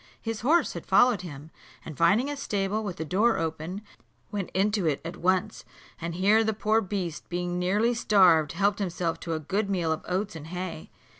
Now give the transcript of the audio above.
His horse had followed him, and finding a stable with the door open, went into it at once; and here the poor beast, being nearly starved, helped himself to a good meal of oats and hay.